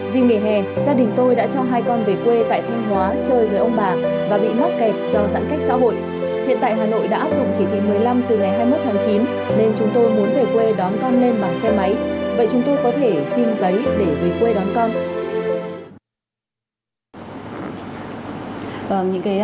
dìm đề hè gia đình tôi đã cho hai con về quê tại thanh hóa chơi với ông bà